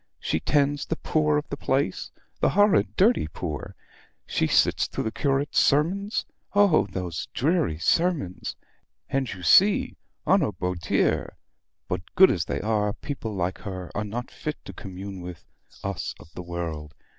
She tends the poor of the place the horrid dirty poor! She sits through the curate's sermons oh, those dreary sermons! And you see on a beau dire; but good as they are, people like her are not fit to commune with us of the world.